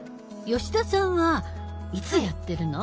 吉田さんはいつやってるの？